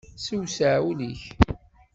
Siwsiɛ ul-ik.